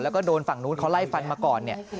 แล้วก็โดนฝั่งนู้นเขาไล่ฟันมาก่อนเนี่ย